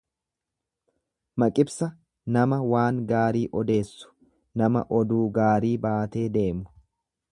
Maqibsa nama waan gaarii odeessu, nama oduu gaarii baatee deemu.